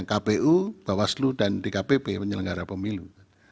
kpu bawaslu dan dkpp penyelenggara pemilu